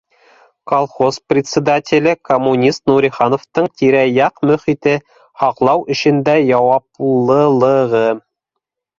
— Колхоз председателе коммунист Нурихановтың тирә- яҡ мөхитте һаҡлау эшендә яуаплылығы